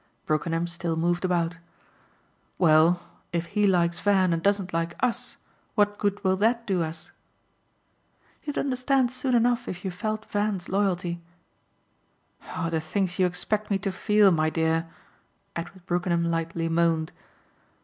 Brookenham still moved about. "Well, if he likes Van and doesn't like US, what good will that do us?" "You'd understand soon enough if you felt Van's loyalty." "Oh the things you expect me to feel, my dear!" Edward Brookenham lightly moaned.